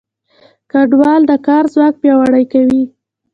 کډوال د کار ځواک پیاوړی کوي.